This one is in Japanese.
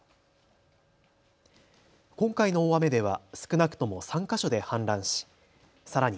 今回の大雨では少なくとも３か所で氾濫しさらに